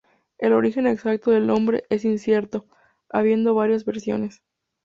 El origen exacto del nombre es incierto, habiendo varias versiones.